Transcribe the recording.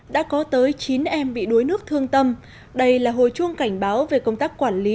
đã có tới chín em bị đuối nước thương tâm đây là hồi chuông cảnh báo về công tác quản lý